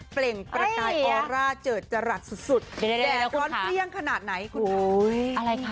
เปล่งประกายออร่าเจริญจรักสุดแดดร้อนเฟี้ยงขนาดไหนคุณผู้ชม